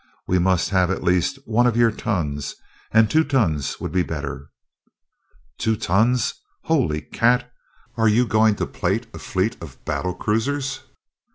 We must have at least one of your tons, and two tons would be better." "Two tons! Holy cat! Are you going to plate a fleet of battle cruisers?"